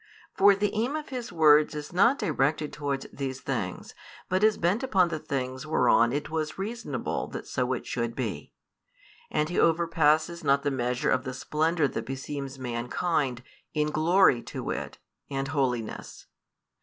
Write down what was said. For the aim of His words is not directed towards these things, but is bent upon the things whereon it was reasonable that so it should be; and He overpasses not the measure of the splendour that beseems mankind, in glory to wit, and holiness.